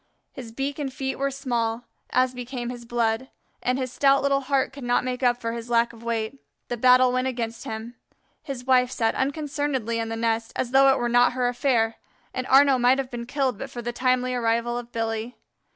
His beak and feet were small, as became his blood, and his stout little heart could not make up for his lack of weight. The battle went against him. His wife sat unconcernedly in the nest, as though it were not her affair, and Arnaux might have been killed but for the timely arrival of Billy.